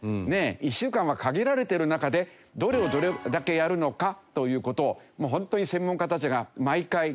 一週間は限られている中でどれをどれだけやるのかという事を本当に専門家たちが毎回議論しているのね。